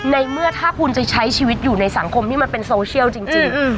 ในเมื่อถ้าคุณจะใช้ชีวิตอยู่ในสังคมที่มันเป็นโซเชียลจริง